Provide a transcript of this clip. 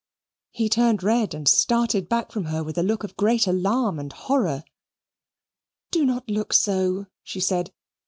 He turned red and started back from her with a look of great alarm and horror. "Do not look so," she said.